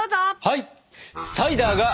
はい！